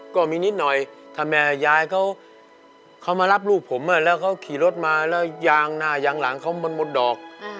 ก็มีนิดหน่อยถ้าแม่ยายเขามารับลูกผมแล้วเขาขี่รถมาแล้วยางหน้ายางหลังเขามันหมดดอก